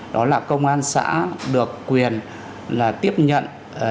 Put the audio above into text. đó là công an xã được quyền tiếp nhận